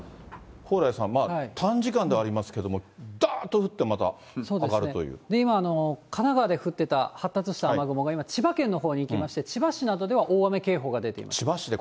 蓬莱さん、短時間ではありますけど、今、神奈川で降ってた発達した雨雲が今、千葉県のほうに行きまして、千葉市などでは大雨警報が出ています。